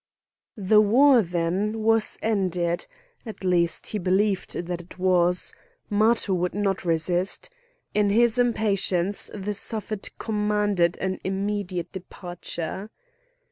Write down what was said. The war, then, was ended; at least he believed that it was; Matho would not resist; in his impatience the Suffet commanded an immediate departure.